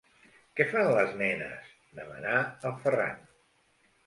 Què fan les nenes? –demanà el Ferran–.